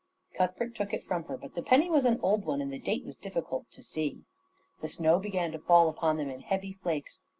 Cuthbert took it from her, but the penny was an old one, and the date was difficult to see. The snow began to fall upon them in heavy flakes.